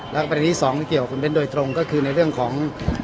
และประเด็นที่สองที่เกี่ยวกับคุณเบ้นโดยตรงก็คือในเรื่องของ